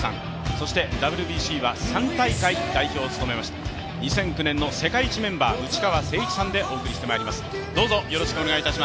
そしてＷＢＣは３大会、代表を務めました２００９年の優勝メンバー、内川聖一さんでお送りしてまいります。